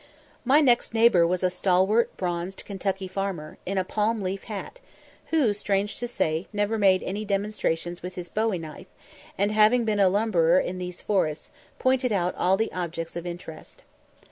My next neighbour was a stalwart, bronzed Kentucky farmer, in a palm leaf hat, who, strange to say, never made any demonstrations with his bowie knife, and, having been a lumberer in these forests, pointed out all the objects of interest.